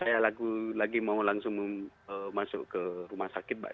saya lagi mau langsung masuk ke rumah sakit mbak